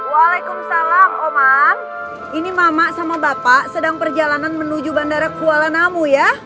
waalaikumsalam oman ini mama sama bapak sedang perjalanan menuju bandara kuala namu ya